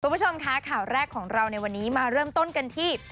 คุณผู้ชมคะข่าวแรกของเราในวันนี้มาเริ่มต้นกันที่